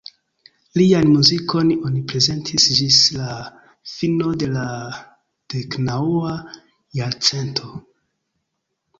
Lian muzikon oni prezentis ĝis la fino de la deknaŭa jarcento.